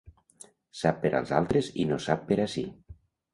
Sap per als altres i no sap per a si.